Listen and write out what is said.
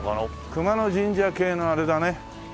熊野神社系のあれだね。